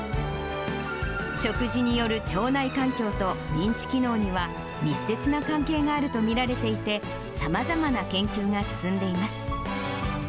食事による腸内環境と認知機能には密接な関係があると見られていて、さまざまな研究が進んでいます。